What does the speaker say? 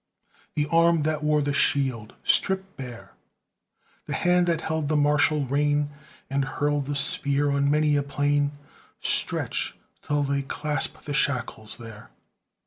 The arm that wore the shield, strip bare; The hand that held the martial rein, And hurled the spear on many a plain, Stretch till they clasp the shackles there!